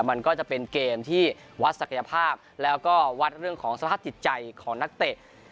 มันก็จะเป็นเกมที่วัดศักยภาพแล้วก็วัดเรื่องของสภาพจิตใจของนักเตะ